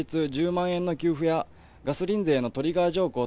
１０万円の給付やガソリン税のトリガー条項